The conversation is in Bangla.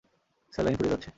স্যালাইন ফুরিয়ে যাচ্ছে।